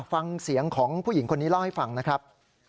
ฟังเสียงของผู้หญิงคนนี้เล่าให้ฟังนะครับ